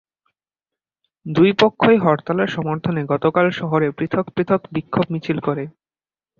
দুই পক্ষই হরতালের সমর্থনে গতকাল শহরে পৃথক পৃথক বিক্ষোভ মিছিল করে।